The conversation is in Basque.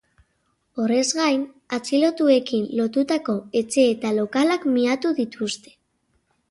Horrez gain, atxilotuekin lotutako etxe eta lokalak miatu dituzte.